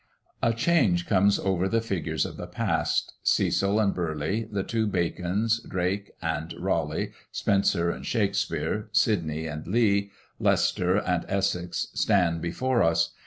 A change comes over the figures of the past Cecil and Burleigh, the two Bacons, Drake and Raleigh, Spenser and Shakespere, Sydney and Lee, Leicester and Essex, stand before us.